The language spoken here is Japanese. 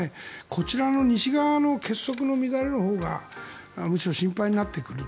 こちらの西側の結束の乱れのほうがむしろ心配になってくる。